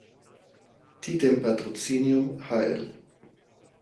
Die dem Patrozinium hl.